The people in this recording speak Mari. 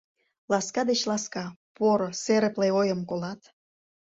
Ласка деч ласка, поро, серыпле ойым Колат.